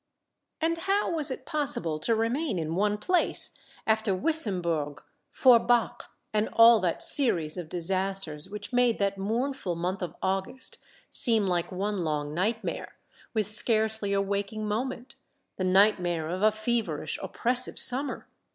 And how was it possible to remain in one place after Wissembourg, Forbach, and all that series of disasters which made that mournful month of August seem like one long nightmare, with scarcely a waking moment, the nightmare of a feverish, op pressive summer?